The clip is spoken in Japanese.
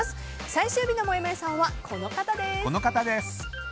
最終日の、もやもやさんはこの方です。